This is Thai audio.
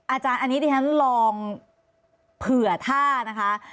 อาจารย์อันนี้ดิฉันลองเผื่อถ้านะคะ